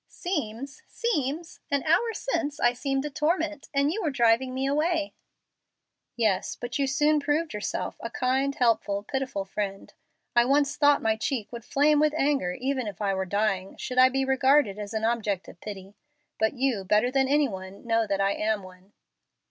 "'Seems, seems!' An hour since I seemed a torment, and you were driving me away." "Yes, but you soon proved yourself a kind, helpful, pitiful friend. I once thought my cheek would flame with anger even if I were dying, should I be regarded as an object of pity. But you, better than any one, know that I am one."